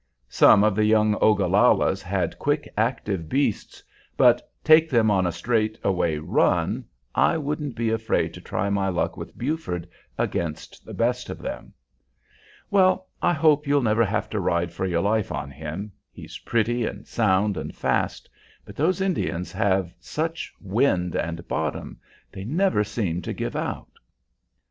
Some of the young Ogallallas had quick, active beasts, but, take them on a straight away run, I wouldn't be afraid to try my luck with Buford against the best of them." "Well, I hope you'll never have to ride for your life on him. He's pretty and sound and fast, but those Indians have such wind and bottom; they never seem to give out."